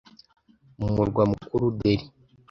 mu murwa mukuru Delhi.